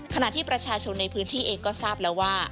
ขณะที่ประชาชนในพื้นที่เองก็ทราบแล้วว่า